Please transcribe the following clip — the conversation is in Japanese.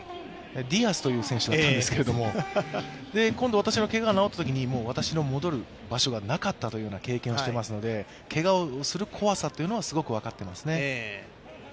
ディアスという選手なんですけれども、今度、私のけがが戻ったときに私の戻る場所がなかったという経験をしていますので、けがをする怖さというのは、すごく分かっていますね。